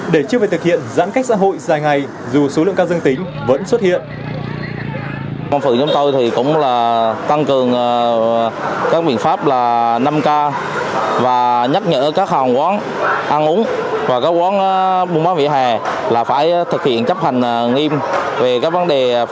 để chưa phải thực hiện giãn cách xã hội dài ngày dù số lượng ca dương tính vẫn xuất hiện